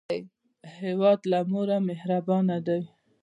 هیواد لکه مور مهربانه دی